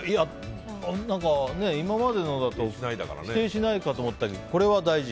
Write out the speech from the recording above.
今までのだと否定しないかと思ったけど大事。